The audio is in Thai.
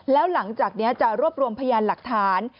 แล้วหลังจากนี้จะรวบรวมพยานหลักฐาน